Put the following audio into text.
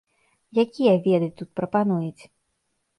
Якія веды тут прапануюць?